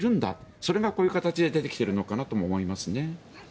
それがこういう形で出てきているのかなとも思いますね。